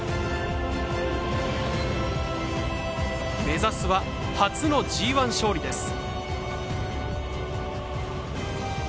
目指すは初のＧＩ勝利です。